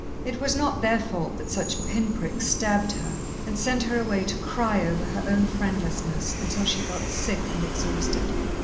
It was not their fault that such pin pricks stabbed her and sent her away to cry over her own friendlessness until she felt sick and exhausted.